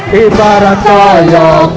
dengan data parah final watt